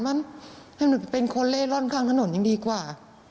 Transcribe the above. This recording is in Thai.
มันส้าวมันก็จะเป็นคนเล่นร่อนข้างถนนยังดีกว่า